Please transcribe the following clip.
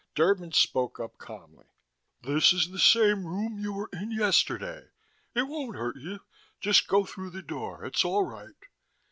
Derban spoke up calmly: "This is the same room you were in yesterday. It won't hurt you. Just go through the door. It's all right."